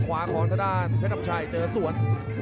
ขวาของทางด้านเพชรน้ำชัยเจอสวน